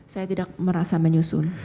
saya tidak merasa menyusun